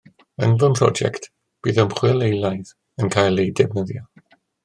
Yn fy mhrosiect bydd ymchwil eilaidd yn cael ei defnyddio